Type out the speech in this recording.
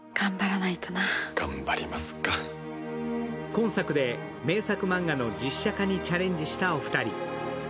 今作で名作マンガの実写化にチャレンジしたお二人。